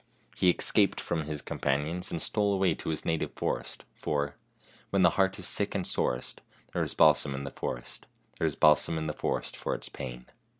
He escaped from his companions, and stole away to his native forest, for " When the heart is sick and sorest, There is balsam in the forest There is balsam in the forest For its pain."